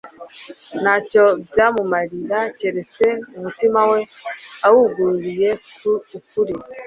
ntacyo byamumarira keretse umutima we awugururiye ukuri,